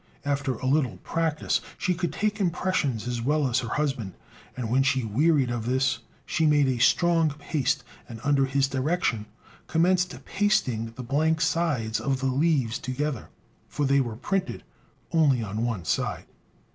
After a little practice, she could take impressions as well as her husband; and when she wearied of this, she made a strong paste, and under his direction commenced pasting the blank sides of the leaves together, for they were printed only on one side.